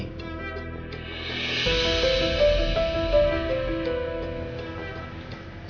sampai riki seperti ini